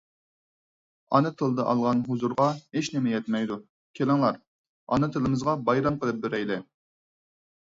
ئانا تىلدا ئالغان ھۇزۇرغا ھېچنېمە يەتمەيدۇ. كېلىڭلار، ئانا تىلىمىزغا بايرام قىلىپ بېرەيلى!